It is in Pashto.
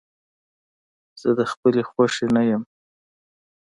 زه د خپلې خوښې نه يم.